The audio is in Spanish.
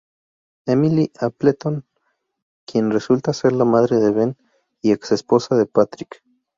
Emily Appleton, quien resulta ser la madre de Ben y ex-esposa de Patrick.